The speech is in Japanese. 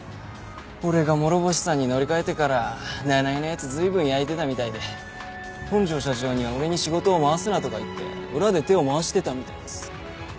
俺が諸星さんに乗り換えてから七井の奴随分やいてたみたいで本庄社長には俺に仕事を回すなとか言って裏で手を回してたみたいです。